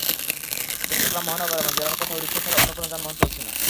চট্টগ্রাম মহানগর এবং জেলার কোথাও রিকশা ছাড়া অন্য কোনো যানবাহন চলছে না।